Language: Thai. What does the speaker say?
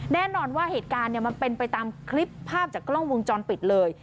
แน่นอนว่าเหตุการณ์มันเป็นไปตามคลิปภาพจากกล้องวงจรปิดเลย